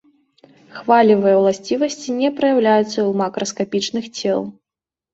Хвалевыя ўласцівасці не праяўляюцца ў макраскапічных цел.